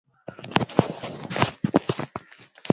na ninataka hapa nifanikiwe ili nipate nini mbele anakuwa yaani yeye